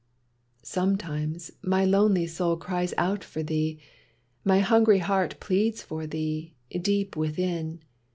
Sometimes my lonely soul cries out for thee, My hungry heart pleads for thee, deep within.